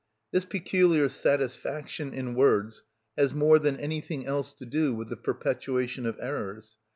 This peculiar satisfaction in words has more than anything else to do with the perpetuation of errors.